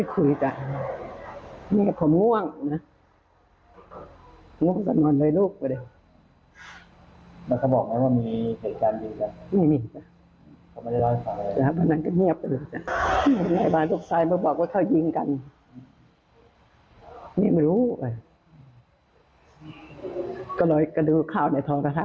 ก็เลยกระดูกข้าวในท้องแล้วครับแต่ก็ใจไม่ดีเลยไม่ยินได้ข้าวโพดค่ะ